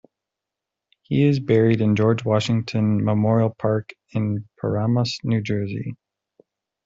He is buried in George Washington Memorial Park in Paramus, New Jersey.